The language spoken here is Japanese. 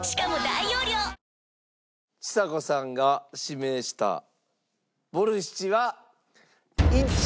ちさ子さんが指名したボルシチは１位。